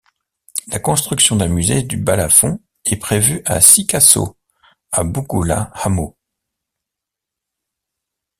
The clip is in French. La construction d’un musée du balafon est prévue à Sikasso, à Bougoula-Hameau.